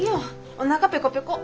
おなかペコペコ！